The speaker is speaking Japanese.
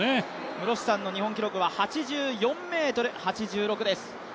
室伏さんの記録は８４ｍ８６です